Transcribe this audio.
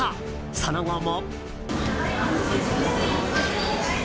その後も。